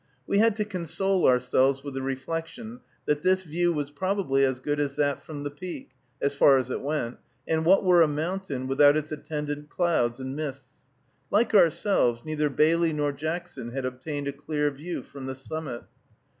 We had to console ourselves with the reflection that this view was probably as good as that from the peak, as far as it went; and what were a mountain without its attendant clouds and mists? Like ourselves, neither Bailey nor Jackson had obtained a clear view from the summit.